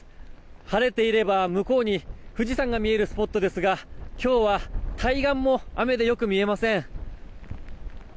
晴れていれば向こうに富士山が見えるスポットですが今日は対岸も雨でよく見えません。